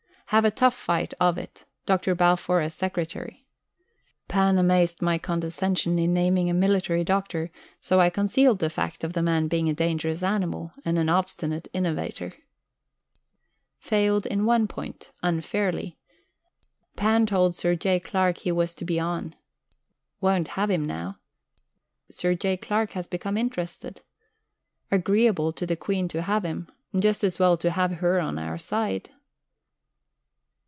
Have a tough fight of it: Dr. Balfour as Secretary. Pan amazed at my condescension in naming a Military Doctor; so I concealed the fact of the man being a dangerous animal and obstinate innovator. Failed in one point. Unfairly. Pan told Sir J. Clark he was to be on. Won't have him now. Sir J. Clark has become interested. Agreeable to the Queen to have him just as well to have Her on our side....